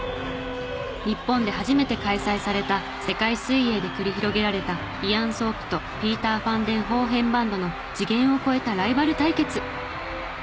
日本で初めて開催された世界水泳で繰り広げられたイアン・ソープとピーター・ファン・デン・ホーヘンバンドの次元を超えたライバル対決。